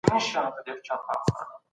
نړیوال سوداګریز تعامل اقتصاد ته وده ورکوي.